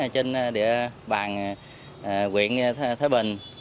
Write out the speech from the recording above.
trên địa bàn huyện thái bình